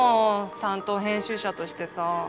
担当編集者としてさ。